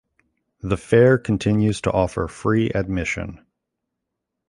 The fair continues to offer free admission.